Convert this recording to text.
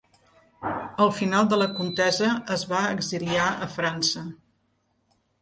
Al final de la contesa es va exiliar a França.